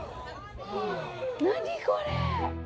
何これ？